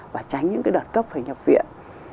và tránh những cái đợt cấp phải nhập viện